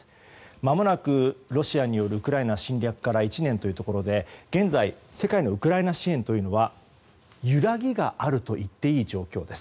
まもなく、ロシアによるウクライナ侵略から１年というところで現在、世界のウクライナ支援というのは揺らぎがあるといっていい状況です。